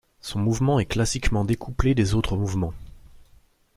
Son mouvement est classiquement découplé des autres mouvements.